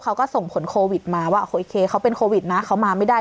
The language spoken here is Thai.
เขาก็ส่งผลโควิดมาว่าโอเคเขาเป็นโควิดนะเขามาไม่ได้